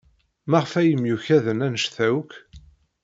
Maɣef ay myukaḍen anect-a akk?